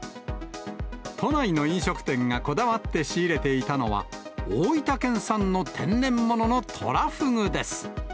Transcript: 都内の飲食店がこだわって仕入れていたのは、大分県産の天然物のトラフグです。